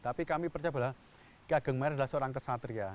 tapi kami percaya bahwa ki ageng mangir adalah seorang kesatria